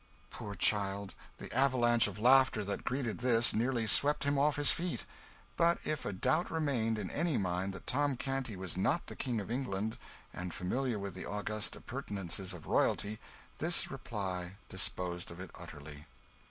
Poor child, the avalanche of laughter that greeted this nearly swept him off his feet. But if a doubt remained in any mind that Tom Canty was not the King of England and familiar with the august appurtenances of royalty, this reply disposed of it utterly.